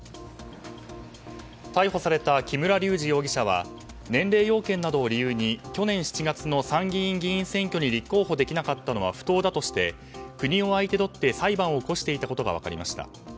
逮捕された木村隆二容疑者は年齢要件などを理由に去年７月の参議院議員選挙に立候補できなかったのは不当だとして国を相手取って裁判を起こしていたことが分かりました。